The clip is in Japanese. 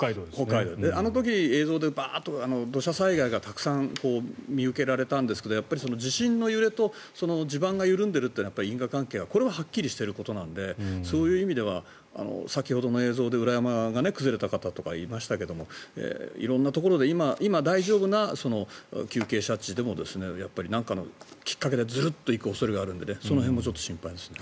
あの時、映像で土砂災害が見受けられたんですけど地震の揺れと地盤が緩んでるってのは因果関係がはっきりしていることなのでそういう意味では先ほどの映像で裏山が崩れた方とかいましたけど色んなところで今、大丈夫な急傾斜地でも何かのきっかけでずるっと行く可能性があるのでその辺も心配ですね。